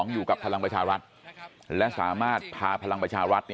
อยู่กับพลังประชารัฐและสามารถพาพลังประชารัฐ